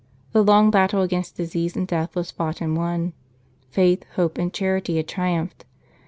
The long battle against disease and death was fought and won. Faith, hope and charity had triumphed.